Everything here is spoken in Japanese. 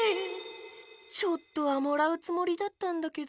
ちょっとはもらうつもりだったんだけど。